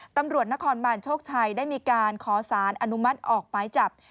ตำรวจนครบานโชคชัยได้มีการขอสารอนุมัติออกหมายจับ